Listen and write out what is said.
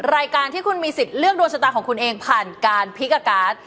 รายการที่คุณมีสิทธิ์เลือกดวงชะตาของคุณเองผ่านการพลิกอากาศ